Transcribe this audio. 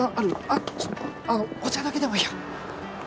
あっちょっあのお茶だけでもいいよ。